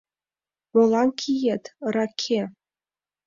— Молан киет, раке?